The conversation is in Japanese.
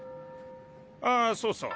あそうそう。